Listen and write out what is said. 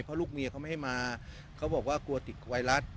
เพราะลูกเมียเขาไม่ให้มาเขาบอกว่ากลัวติดไวรัส